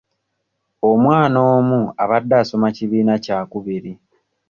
Omwana omu abadde asoma kibiina kya kubiri.